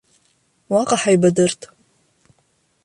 Уаҟа ҳаибадырт.